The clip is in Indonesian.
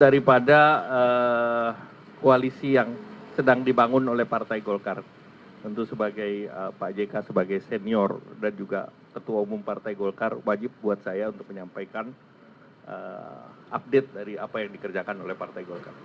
daripada koalisi yang sedang dibangun oleh partai golkar tentu sebagai pak jk sebagai senior dan juga ketua umum partai golkar wajib buat saya untuk menyampaikan update dari apa yang dikerjakan oleh partai golkar